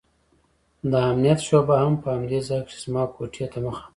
د امنيت شعبه هم په همدې ځاى کښې زما کوټې ته مخامخ وه.